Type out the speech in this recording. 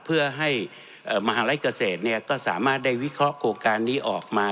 เพื่อให้มหาลัยเกษตรก็สามารถได้วิเคราะห์โครงการนี้ออกมา